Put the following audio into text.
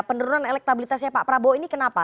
penurunan elektabilitasnya pak prabowo ini kenapa